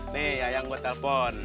nih yayang gue telpon